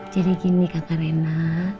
jadi gini kak raina